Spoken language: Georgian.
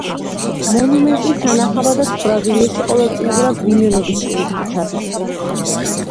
მონუმენტის სანახავადაც ბრაზილიაში ყოველწლიურად მილიონობით ტურისტი ჩადის.